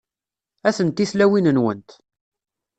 Atenti tlawiyin-nwent.